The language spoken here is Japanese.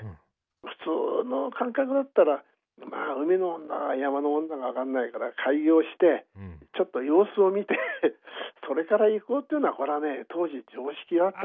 普通の感覚だったらまあ海のもんだか山のもんだか分かんないから開業してちょっと様子を見てそれからいこうというようなこれはね当時常識があった。